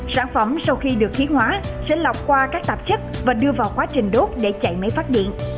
sản phẩm sau khi được khí hóa sẽ lọc qua các tạp chất và đưa vào quá trình đốt để chạy máy phát điện